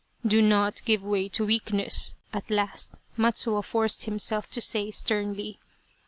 " Do not give way to weakness," at last Matsuo forced himself to say, sternly.